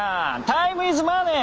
タイムイズマネー！